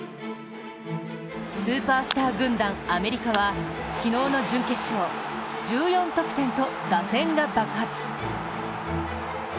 スーパースター軍団・アメリカは昨日の準決勝１４得点と打線が爆発。